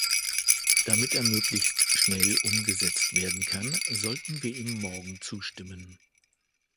Damit er möglichst schnell umgesetzt werden kann, sollten wir ihm morgen zustimmen!